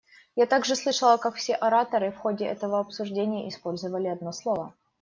Я также слышала, как все ораторы в ходе этого обсуждения использовали одно слово.